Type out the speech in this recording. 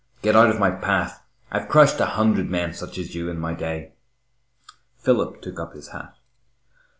Get out of my path. I've crushed a hundred such men as you in my day." Philip took up his hat.